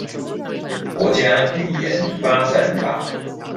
國家語言發展法